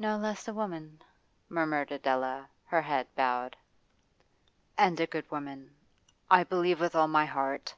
'No less a woman,' murmured Adela, her head bowed. 'And a good woman I believe with all my heart.